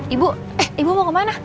ibu eh ibu mau kemana